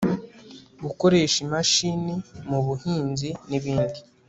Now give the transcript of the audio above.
gukoresha imashini mu buhinzi, n' ibindi